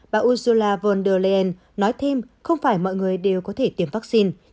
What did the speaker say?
bà ursula von der leyen nói thêm không phải mọi người đều có thể tiêm vaccine